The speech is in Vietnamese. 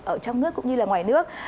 ở trong nước cũng như là ngoài nước